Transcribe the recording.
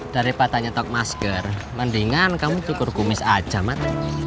daripada nyetok masker mendingan kamu cukur kumis aja mat